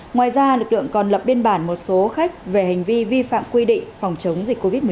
ngoài ra lực lượng còn lập biên bản một số khách về hành vi vi phạm quy định phòng chống dịch covid một mươi